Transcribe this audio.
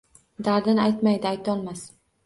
Dardin aytmaydi, Aytolmas